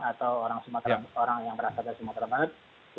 atau orang sumatera barat